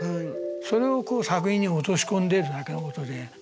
それを作品に落とし込んでるだけのことで。